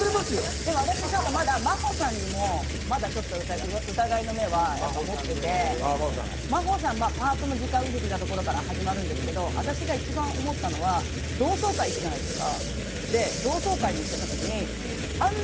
ただ私、真帆さんにもまだ疑いの目はあって真帆さん、パートの時間を嘘ついたところから始まるんですけど、私が一番思ったのは、同窓会に行くじゃないですか。